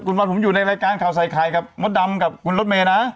คุณวันผมอยู่ในรายการข่าวใส่ไข่กับมดดำกับคุณรถเมย์นะ